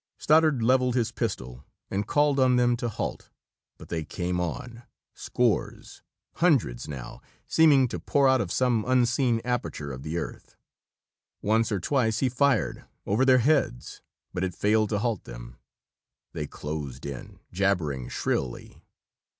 Stoddard levelled his pistol and called on them to halt, but they came on scores, hundreds now, seeming to pour out of some unseen aperture of the earth. Once or twice he fired, over their heads, but it failed to halt them. They closed in, jabbering shrilly.